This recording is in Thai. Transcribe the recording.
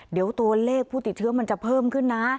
เดี๋ยวตัวเลขผู้ติดเชื้อมันจะเพิ่มขึ้นนะ